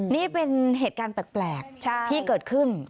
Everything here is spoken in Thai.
นี่เป็นเหตุการณ์แปลกที่เกิดขึ้น